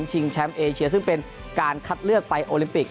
แชมป์เอเชียซึ่งเป็นการคัดเลือกไปโอลิมปิก